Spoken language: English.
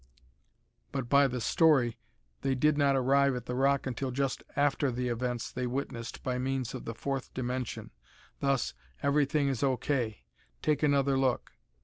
[But by the story, they did not arrive at the rock until just AFTER the events they witnessed by means of the fourth dimension. Thus, everything is O. K. Take another look.